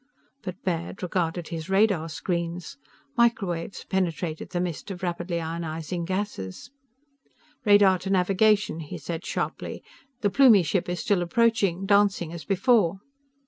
But Baird regarded his radar screens. Microwaves penetrated the mist of rapidly ionizing gases. "Radar to navigation!" he said sharply. "The Plumie ship is still approaching, dancing as before!"